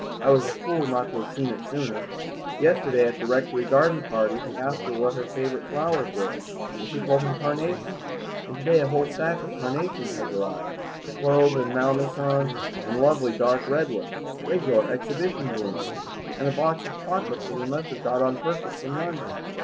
I was a fool not to have seen it sooner. Yesterday, at the Rectory garden party, he asked her what her favourite flowers were, and she told him carnations, and to day a whole stack of carnations has arrived, clove and malmaison and lovely dark red ones, regular exhibition blooms, and a box of chocolates that he must have got on purpose from London.